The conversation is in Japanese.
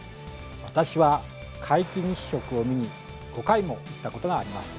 私は皆既日食を見に５回も行ったことがあります！